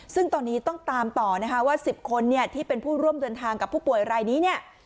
ซึ่งตอนนี้ต้องตามต่อนะคะว่า๑๐คนที่เป็นผู้ร่วมเดินทางกับผู้ป่วยรายนี้เนี่ย